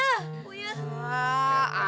nggak ada keberhasilan